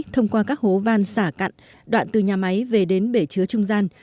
thông qua các hố van xả cặn đoạn từ nhà máy về đến bể chứa trung gian